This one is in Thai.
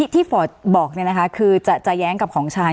ที่ฟอร์ตบอกเนี่ยนะคะคือจะแย้งกับของชาญ